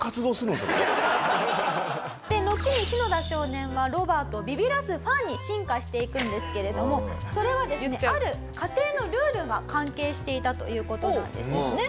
のちにシノダ少年はロバートをビビらすファンに進化していくんですけれどもそれはですねある家庭のルールが関係していたという事なんですよね。